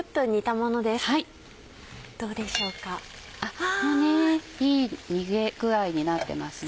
もういい煮え具合になってますね。